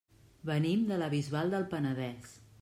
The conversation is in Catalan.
Venim de la Bisbal del Penedès.